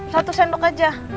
satu sendok aja